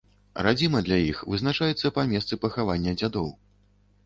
Радзіма для іх вызначаецца па месцы пахавання дзядоў.